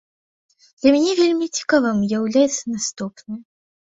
Для мяне вельмі цікавым уяўляецца наступнае.